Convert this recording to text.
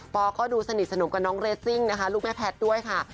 ก็ดูสนิทสนมกับน้องเรซิ่งนะคะลูกแม่แพทย์ด้วยค่ะ